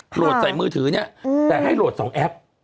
โหลดใส่มือถือเนี่ยแต่ให้โหลด๒แอป